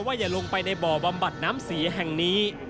อย่าลงไปในบ่อบำบัดน้ำเสียแห่งนี้